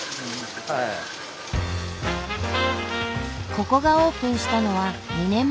ここがオープンしたのは２年前。